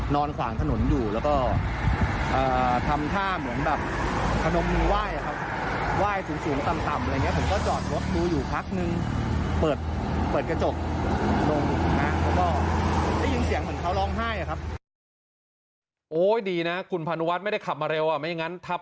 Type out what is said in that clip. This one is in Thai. นอนขวางถนนอยู่แล้วก็เอ่อทำท่าเหมือนแบบขนมมือไหว่ครับ